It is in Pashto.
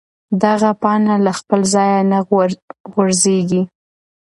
دغه پاڼه له خپل ځایه نه غورځېږي.